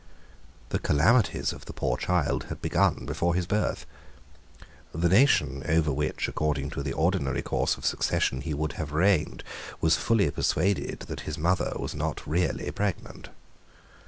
The calamities of the poor child had begun before his birth. The nation over which, according to the ordinary course of succession, he would have reigned, was fully persuaded that his mother was not really pregnant.